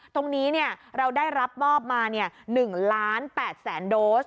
ตรงนี้เราได้รับมอบมา๑๘๐๐๐๐๐โดส